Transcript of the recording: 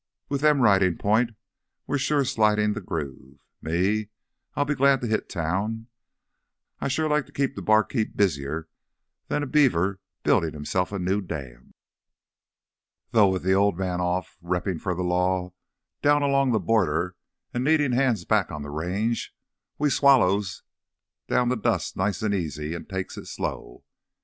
With them ridin' point we're sure slidin' th' groove. Me, I'll be glad to hit town. I'd shore like to keep th' barkeep busier than a beaver buildin' hisself a new dam. Though with th' Old Man off reppin' for th' law down along the border and needin' hands back on the Range, we swallows down th' dust nice an' easy an' takes it slow.